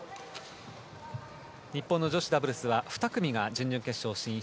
日本の女子ダブルスは２組が準々決勝進出。